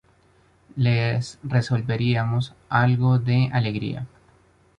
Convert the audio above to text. les devolveríamos algo de alegría